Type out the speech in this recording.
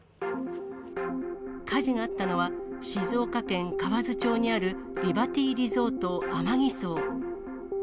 火事があったのは、静岡県河津町にあるリバティリゾートアマギソウ。